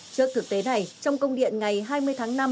trước thực tế này trong công điện ngày hai mươi tháng năm